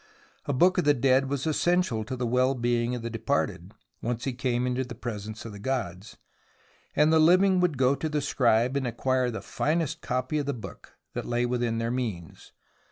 A Book of the Dead was essential to the well being of the departed, once he came into the presence of the gods, and the living would go to the scribe and acquire the finest copy of the Book that lay within their means.